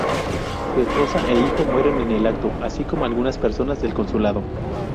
Su esposa e hijo mueren en el acto, así como algunas personas del consulado.